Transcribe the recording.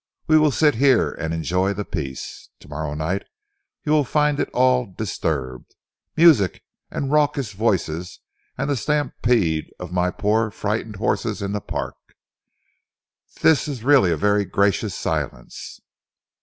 We will sit here and enjoy the peace. To morrow night you will find it all disturbed music and raucous voices and the stampede of my poor, frightened horses in the park. This is really a very gracious silence."